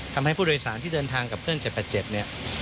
ทำให้ผู้โดยสารที่เดินทางกับเพื่อน๗๘๗เนี่ย